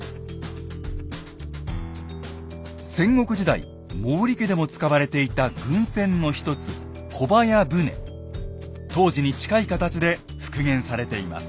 戦国時代毛利家でも使われていた軍船の一つ当時に近い形で復元されています。